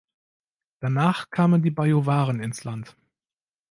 Danach kamen die Bajuwaren ins Land.